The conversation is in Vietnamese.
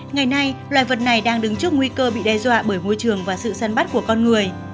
ngày nay loài vật này đang đứng trước nguy cơ bị đe dọa bởi môi trường và sự săn bắt của con người